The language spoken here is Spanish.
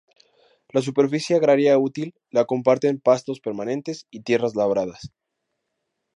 La superficie agraria útil la comparten pastos permanentes y tierras labradas.